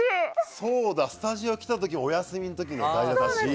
そうだ、スタジオに来た時もお休みの代打だし。